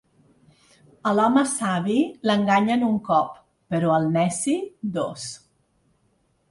A l'home savi l'enganyen un cop, però al neci dos.